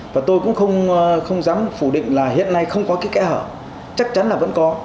và tôi cũng không dám phủ định là hiện nay không có cái kẽ hở chắc chắn là vẫn có